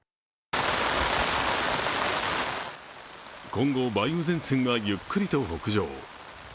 今後、梅雨前線はゆっくりと北上。